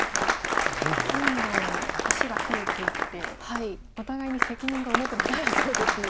どんどん石が増えていってお互いに責任が重くなってきてますね。